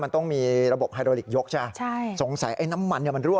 มันต้องมีระบบไฮโรลิกยกใช่ไหมใช่สงสัยไอ้น้ำมันเนี่ยมันรั่